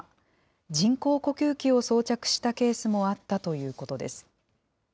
人工呼吸器を装着したケースもあったということです。